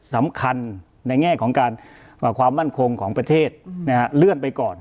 สำคัญในแง่ของการความมั่นคงของประเทศเลื่อนไปก่อน